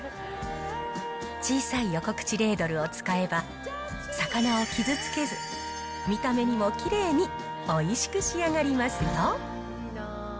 小さい横口レードルを使えば、魚を傷つけず、見た目にもきれいにおいしく仕上がりますよ。